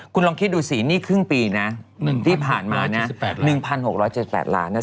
คุณลองคิดดูสินี่ครึ่งปีนะที่ผ่านมานะ๑๖๗๘ล้านนะ